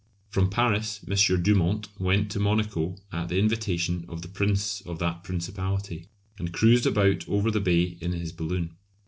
From Paris M. Dumont went to Monaco at the invitation of the prince of that principality, and cruised about over the bay in his balloon.